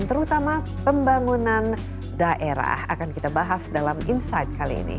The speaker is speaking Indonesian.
terutama pembangunan daerah akan kita bahas dalam insight kali ini